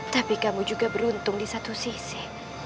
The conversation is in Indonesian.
tapi kamu juga beruntung di satu sisi